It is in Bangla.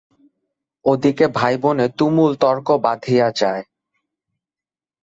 ওদিকে ভাইবোনে তুমুল তর্ক বাধিয়া যায়।